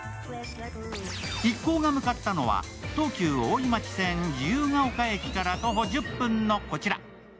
一行が向かったのは、東急大井町線・自由が丘駅から徒歩１０分のこちら。